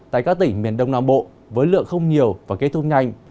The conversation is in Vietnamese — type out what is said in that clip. tại các tỉnh miền đông nam bộ với lượng không nhiều và kết thúc nhanh